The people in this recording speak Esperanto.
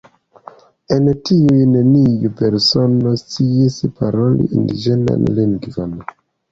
El tiuj neniu persono sciis paroli indiĝenan lingvon.